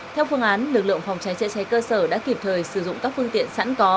theo phương án lực lượng phòng cháy chữa cháy cơ sở đã kịp thời sử dụng các phương tiện sẵn có